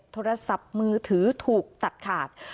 โทรศัพท์มือถือถูกตัดขาด